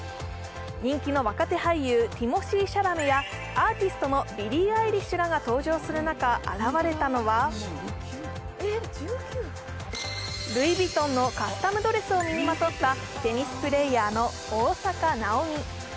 人気の若手俳優、ティモシー・シャラメやアーティストのビリー・アイリッシュらが登場する中現れたのはルイ・ヴィトンのカスタムドレスを身にまとったテニスプレーヤーの大坂なおみ。